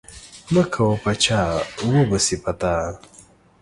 مه کوه په چا وبه سي په تا.